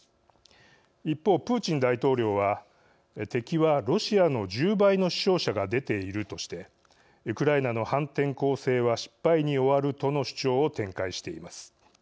一方、プーチン大統領は「敵はロシアの１０倍の死傷者が出ている」としてウクライナの反転攻勢は失敗に終わるとの主張を展開しています。